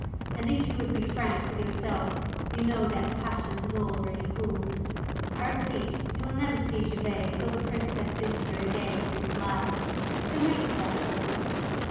And if you would be frank with yourself, you know that passion has already cooled. I repeat, you will never see Gervase or the Princess Ziska again in this life; so make the best of it."